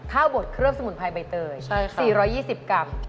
บดเครื่องสมุนไพรใบเตย๔๒๐กรัม